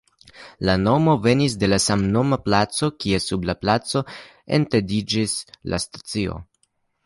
La nomo venis de la samnoma placo, kie sub la placo etendiĝas la stacio.